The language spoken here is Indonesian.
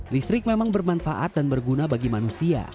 listrik memang bermanfaat dan berguna bagi manusia